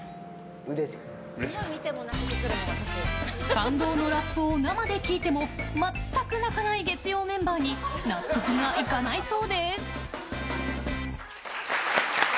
感動のラップを生で聴いても全く泣かない月曜メンバーに納得がいかないそうです。